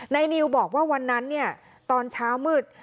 นิวบอกว่าวันนั้นตอนเช้ามืด